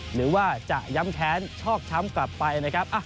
หรือว่าจะย้ำแค้นชอกช้ำกลับไปนะครับ